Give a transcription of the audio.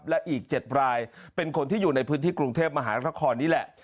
และอีก๗รายเป็นคนที่อยู่ในพื้นที่กรุงเทพมหานครนี่แหละ